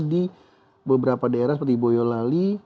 di beberapa daerah seperti boyolali